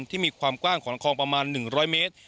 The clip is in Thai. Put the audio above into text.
ที่มีความกว้างของคลองประมาณ๑๐๐เมตร